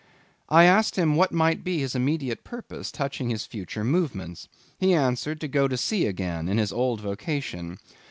I asked him what might be his immediate purpose, touching his future movements. He answered, to go to sea again, in his old vocation.